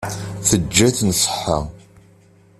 Teǧǧa-ten ṣṣeḥḥa.